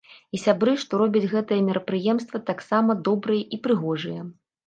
І сябры, што робяць гэтае мерапрыемства, таксама добрыя і прыгожыя.